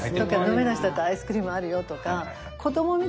飲めない人だったらアイスクリームあるよとか。